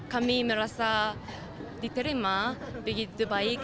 kami merasa diterima begitu baik